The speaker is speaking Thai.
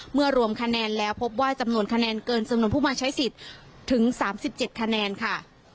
รวมคะแนนแล้วพบว่าจำนวนคะแนนเกินจำนวนผู้มาใช้สิทธิ์ถึง๓๗คะแนนค่ะ